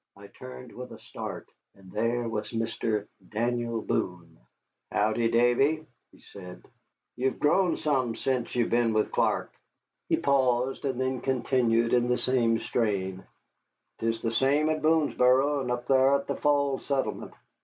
I turned with a start, and there was Mr. Daniel Boone. "Howdy, Davy," he said; "ye've growed some sence ye've ben with Clark." He paused, and then continued in the same strain: "'Tis the same at Boonesboro and up thar at the Falls settlement.